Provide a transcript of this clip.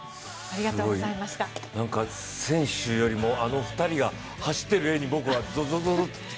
選手よりもあの２人が走っている画に僕はゾゾゾッと。